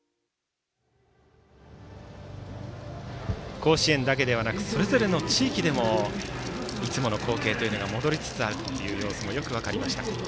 甲子園だけではなくそれぞれの地域でもいつもの光景というのが戻りつつある様子もよく分かりました。